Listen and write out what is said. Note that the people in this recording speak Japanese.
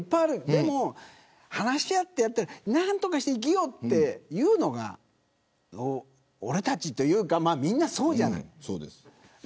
でも、話し合って何とかして生きようっていうのが俺たちというかみんな、そうじゃない。